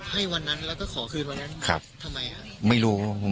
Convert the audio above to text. ให้วันนั้นแล้วต้องขอคืนวันนั้นทำไม